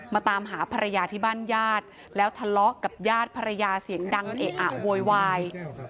ตามหาภรรยาที่บ้านญาติแล้วทะเลาะกับญาติภรรยาเสียงดังเอะอะโวยวาย